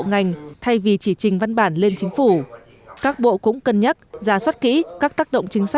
ngành thay vì chỉ trình văn bản lên chính phủ các bộ cũng cân nhắc giả soát kỹ các tác động chính